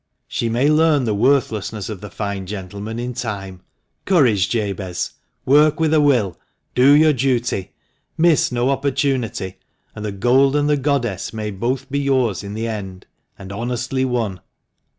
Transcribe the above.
She may learn the worthlessness of the fine gentleman in time. Courage, Jabez ! Work with a will ; do your duty. Miss no opportunity, and the gold and the goddess may both be yours in the end, and honestly won."